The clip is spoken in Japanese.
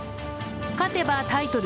勝てばタイトル